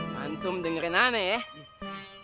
nantum dengerin aneh ya